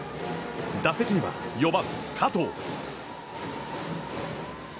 打席には、４番加藤。